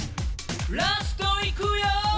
「ラストいくよ」